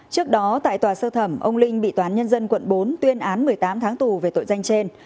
trước đó tại tòa sơ thẩm ông linh bị tnq bốn tuyên án một mươi tám tháng tù về tội danh trên